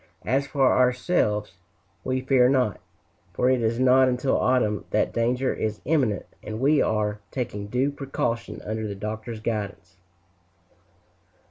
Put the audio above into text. As for ourselves, we fear not, for it is not until autumn that danger is imminent, and we are taking due precaution under the Doctor's guidance.